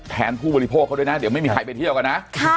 ผู้บริโภคเขาด้วยนะเดี๋ยวไม่มีใครไปเที่ยวกันนะ